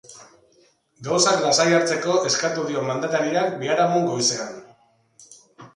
Gauzak lasai hartzeko eskatu dio mandatariak biharamun goizean.